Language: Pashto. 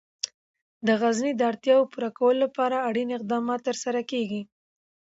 د غزني د اړتیاوو پوره کولو لپاره اړین اقدامات ترسره کېږي.